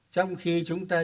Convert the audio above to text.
trong khi chúng ta